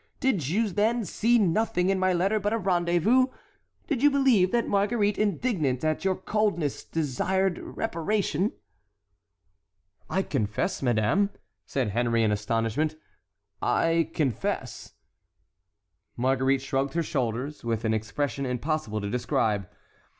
Did you, then, see nothing in my letter but a rendezvous? Did you believe that Marguerite, indignant at your coldness, desired reparation?" "I confess, madame," said Henry in astonishment, "I confess"— Marguerite shrugged her shoulders with an expression impossible to describe.